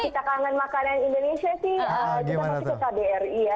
kita kangen makanan indonesia sih kita masih ke kbri ya